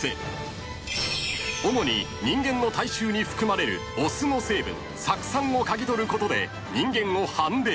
［主に人間の体臭に含まれるお酢の成分酢酸を嗅ぎ取ることで人間を判別］